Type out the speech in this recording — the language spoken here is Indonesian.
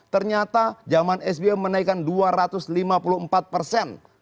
ternyata zaman sbm menaikkan dua ratus lima puluh empat persen